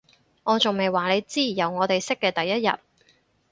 我仲未話你知，由我哋識嘅第一日